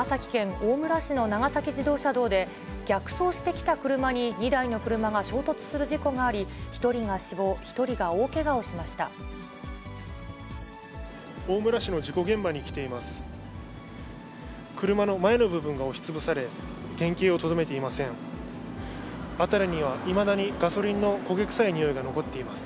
大村市の事故現場に来ています。